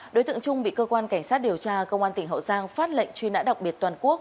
đối tượng trung bị cơ quan cảnh sát điều tra công an tỉnh hậu giang phát lệnh truy nã đặc biệt toàn quốc